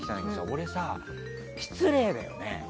俺、失礼だよね。